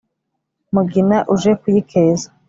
mugina uje kuyikeza